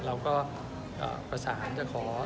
เราก็ประสานจะขอ